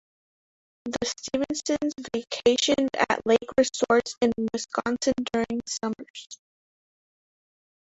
The Stevensons vacationed at lake resorts in Wisconsin during summers.